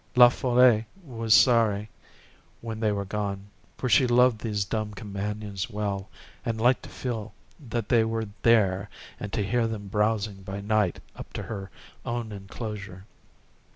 La Folle was sorry when they were gone, for she loved these dumb companions well, and liked to feel that they were there, and to hear them browsing by night up to her own enclosure.